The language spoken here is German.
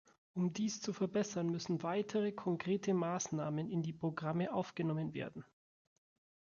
Um dies zu verbessern, müssen weitere konkrete Maßnahmen in die Programme aufgenommen werden.